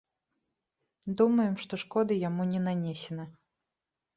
Думаем, што шкоды яму не нанесена.